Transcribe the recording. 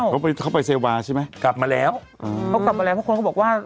เขาไปเขาไปเซวาใช่ไหมกลับมาแล้วเขากลับมาแล้วเพราะคนเขาบอกว่า